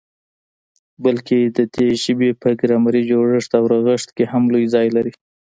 بلکي د دغي ژبي په ګرامري جوړښت او رغښت کي هم لوی ځای لري.